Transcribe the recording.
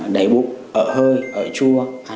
đầy bụng ợ hơi ợ chua